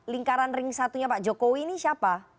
lingkaran ring satunya pak jokowi ini siapa